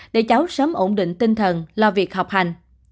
để cháu sớm ổn định tinh thần lo việc học hành